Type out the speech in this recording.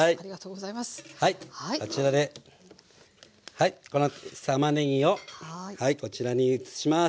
はいこのたまねぎをこちらに移します。